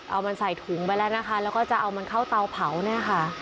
เอามันใส่ถุงไปแล้วนะคะแล้วก็จะเอามันเข้าเตาเผาเนี่ยค่ะ